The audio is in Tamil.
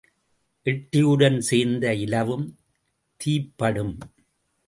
எட்டியுடன் சேர்ந்த இலவும் தீப்படும்.